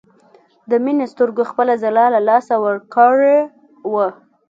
د مينې سترګو خپله ځلا له لاسه ورکړې وه